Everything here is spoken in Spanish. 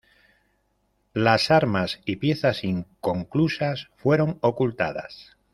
Las armas y piezas inconclusas fueron ocultadas.